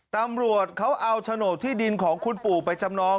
ตำรวจเขาเอาโฉนดที่ดินของคุณปู่ไปจำนอง